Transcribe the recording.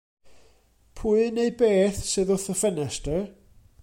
Pwy neu beth sydd wrth y ffenestr?